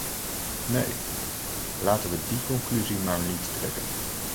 Nee, laten we die conclusie maar niet trekken.